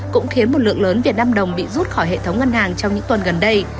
cũng khiến một lượng lớn việt nam đồng bị rút khỏi hệ thống ngân hàng trong những tuần gần đây